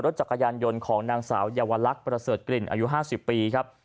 จักรยานยนต์ของนางสาวเยาวลักษณ์ประเสริฐกลิ่นอายุ๕๐ปีครับ